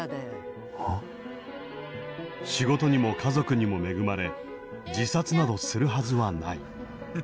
仕事にも家族にも恵まれ自殺などするはずはない。